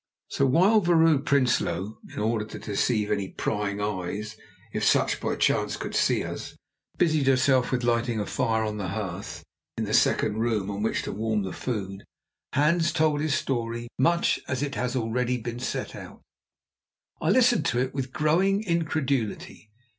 So while Vrouw Prinsloo, in order to deceive any prying eyes if such by chance could see us, busied herself with lighting a fire on the hearth in the second room on which to warm the food, Hans told his story much as it has already been set out. I listened to it with growing incredulity.